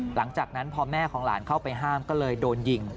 หลังจากนั้นพอแม่ของหลานเข้าไปห้ามก็เลยโดนยิง